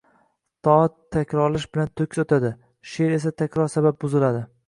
Toat takrorlash bilan toʻkis boʻladi, sheʼr esa takror sabab buziladi